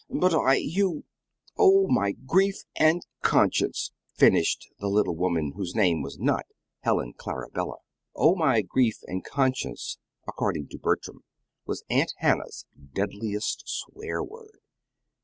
"But, I you oh, my grief and conscience!" finished the little woman whose name was not Helen Clarabella. "Oh, my grief and conscience," according to Bertram, was Aunt Hannah's deadliest swear word.